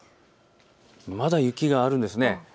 まだ雪があるんですね。